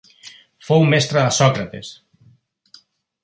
Fou mestre de Sòcrates.